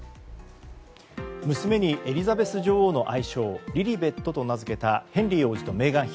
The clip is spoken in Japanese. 娘にエリザベス女王の愛称リリベットと名付けたヘンリー王子とメーガン妃。